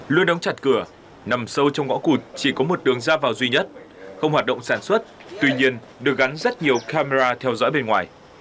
luôn đóng chặt cửa nằm sâu trong ngõ cụt chỉ có một đường ra vào duy nhất không hoạt động sản xuất tuy nhiên được gắn rất nhiều camera theo dõi bên ngoài